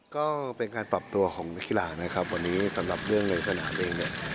ก็เป็นการปรับตัวของนักกีฬานะครับวันนี้สำหรับเรื่องในสนามเองเนี่ย